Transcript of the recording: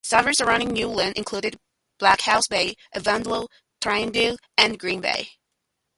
Suburbs surrounding New Lynn include Blockhouse Bay, Avondale, Titirangi and Green Bay.